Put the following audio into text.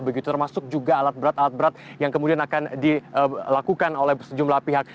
begitu termasuk juga alat berat alat berat yang kemudian akan dilakukan oleh sejumlah pihak